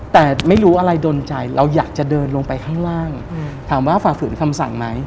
แต่ไม่รู้อะไรดนใจเราอยากจะเดินลงไปข้างล่างถามว่าฝ่าฝืนคำสั่งไหม